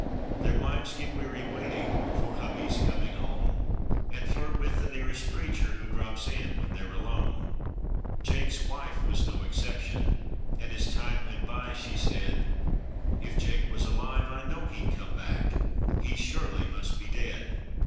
Their wives get weary waiting for hubby's coming home And flirt with the nearest preacher who drops in when they're alone. Jake's wife was no exception, and, as time went by, she said, "If Jake was alive I know he'd come back; he surely must be dead."